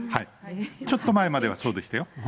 ちょっと前まではそうでしたよ。